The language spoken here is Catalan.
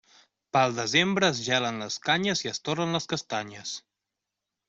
Pel desembre es gelen les canyes i es torren les castanyes.